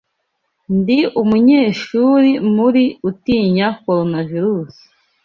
Ndi umunyeshuri muri utinya Coronavirusi